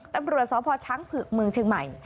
ตำรวจสพช้างผึกเมืองเชียงใหม่